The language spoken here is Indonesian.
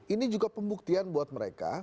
ini juga pembuktian buat mereka